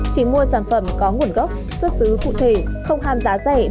chỉ mua sản phẩm có nguồn gốc xuất xứ cụ thể không ham giá rẻ